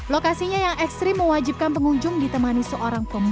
lokasinya yang ekstrim mewajibkan pengunjung ditemani seorang pengunjung